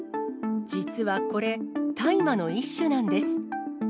実はこれ、大麻の一種なんです。